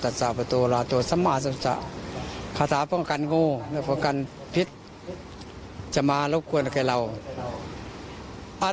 คาถาพวกกันโกพวกกันพิษจะมารบควรใกล้เรา